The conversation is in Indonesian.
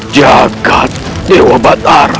jagad dewa batara